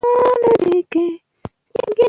او ښځه د کور شوه.